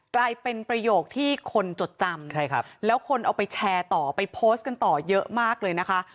กลายเป็นประโยคที่คนจดจำแล้วคนเอาไปแชร์ต่อไปโพสต์กันต่อเยอะมากเลยนะคะ